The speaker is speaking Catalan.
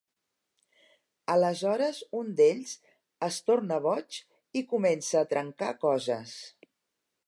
Aleshores un d'ells es torna boig i comença a trencar coses.